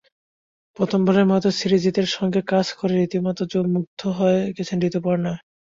প্রথমবারের মতো সৃজিতের সঙ্গে কাজ করে রীতিমতো মুগ্ধ হয়ে গেছেন ঋতুপর্ণা।